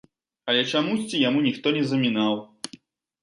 Але чамусьці яму ніхто не замінаў.